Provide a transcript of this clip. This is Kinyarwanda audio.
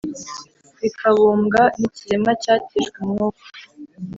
bikabumbwa n’ikiremwa cyatijwe umwuka.